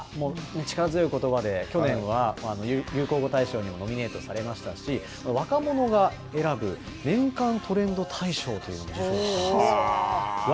力強いことばで去年は流行語大賞にもノミネートされましたし、若者が選ぶ年間トレンド大賞というのも受賞しています。